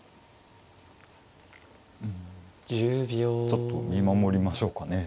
ちょっと見守りましょうかね。